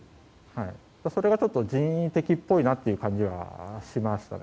それがちょっと人為的っぽいなという感じはしました。